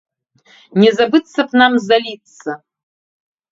Не забыцца б нам заліцца!